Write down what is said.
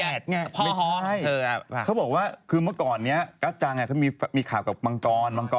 อะไรอย่างนี้เค้าก็เลยเป็นประเด็นข่าวขึ้นมานั่นเอง